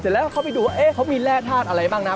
เสร็จแล้วเขาไปดูเขามีแร่ธาตุอะไรบ้างนะ